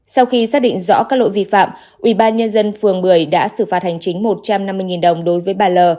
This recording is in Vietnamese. sau khi xác định rõ các lỗi vi phạm ubnd phường một mươi đã xử phạt hành chính một trăm năm mươi đồng đối với bà l